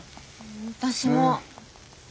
私も。